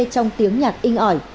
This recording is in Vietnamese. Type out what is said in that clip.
trong tiếng nhạc in ỏi